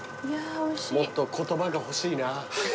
もっと言葉が欲しいな。